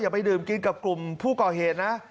อย่าไปดื่มกินกับกลุ่มผู้เกาะเหตุนะ